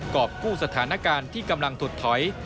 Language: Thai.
อบกู้สถานการณ์ที่กำลังถดถอย